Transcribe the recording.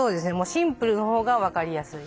シンプルのほうが分かりやすい。